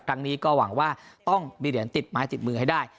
ครั้งนี้ก็หวังว่าต้องมีเหรียญติดไม้ติดมือให้ได้